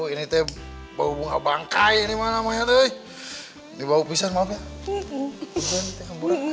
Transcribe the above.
ini teh bau bunga bangkai ini mah namanya tuh ini bau pisang maaf ya